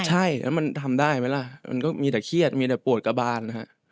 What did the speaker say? ใช่แล้วมันทำได้ไหมล่ะมันก็มีแต่เครียดมีแต่ปวดกระบานนะฮะ